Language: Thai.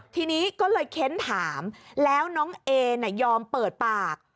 ทีนี้ก็เลยเค้นถามแล้วน้องเอน่ะยอมเปิดปาก